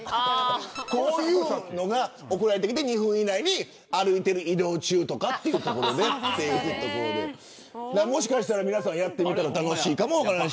こういうのが送られてきて２分以内に移動中でもというところでもしかしたら皆さんやってみたら楽しいかもしれない。